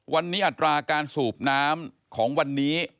วันนี้อัตราการสูบน้ำของวันนี้